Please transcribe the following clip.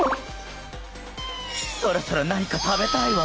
そろそろ何か食べたいわ。